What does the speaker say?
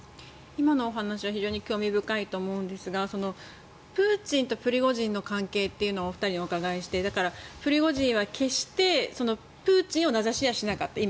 今の話は非常に興味深いと思うんですがプーチンとプリゴジンの関係をお伺いしてプリゴジンは決してプーチンを名指しはしなかった。